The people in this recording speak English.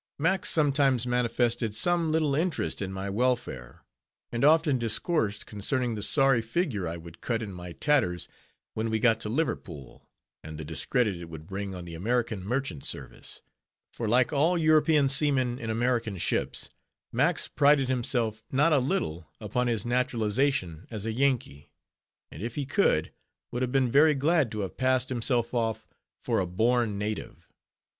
Max sometimes manifested some little interest in my welfare; and often discoursed concerning the sorry figure I would cut in my tatters when we got to Liverpool, and the discredit it would bring on the American Merchant Service; for like all European seamen in American ships, Max prided himself not a little upon his naturalization as a Yankee, and if he could, would have been very glad to have passed himself off for a born native.